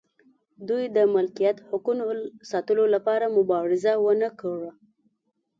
دوی د ملکیت حقونو ساتلو لپاره مبارزه ونه کړه.